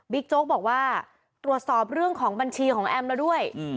โจ๊กบอกว่าตรวจสอบเรื่องของบัญชีของแอมแล้วด้วย